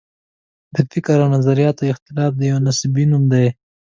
د فکر او نظریاتو اختلاف یو نصبي نوم دی.